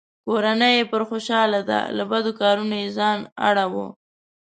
کورنۍ یې پرې خوشحاله ده؛ له بدو کارونو یې ځان اړووه.